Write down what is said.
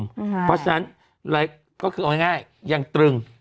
เพราะฉะนั้นก็คือเอาง่ายยังตรึง